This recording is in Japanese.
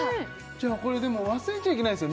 これでも忘れちゃいけないですよ